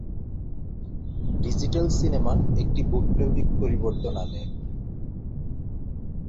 Digital cinema একটি বৈপ্লবিক পরিবর্তন আনে।